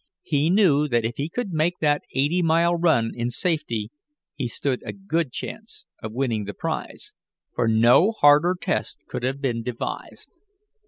He knew that if he could make that eighty mile run in safety he stood a good chance of winning the prize, for no harder test could have been devised.